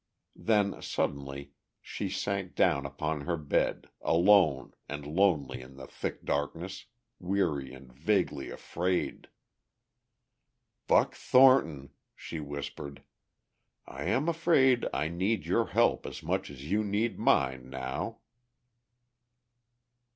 Then, suddenly, she sank down upon her bed, alone and lonely in the thick darkness, weary and vaguely afraid. "Buck Thornton," she whispered, "I am afraid I need your help as much as you need mine now!"